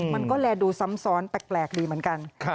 มันก็แลดูซ้ำซ้อนแปลกดีเหมือนกัน